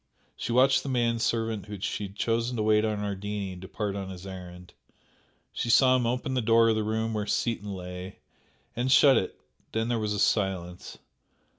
She watched the man servant whom she had chosen to wait on Ardini depart on his errand she saw him open the door of the room where Seaton lay, and shut it then there was a silence.